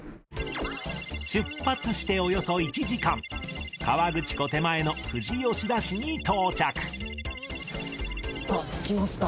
出発しておよそ１時間河口湖手前の富士吉田市に到着さぁ着きました。